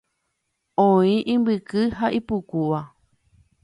Oĩ imbyky ha ipukúva.